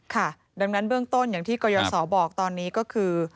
ค่ะดังนั้นเบื้องต้นอย่างที่กรยศบอกตอนนี้ก็คือ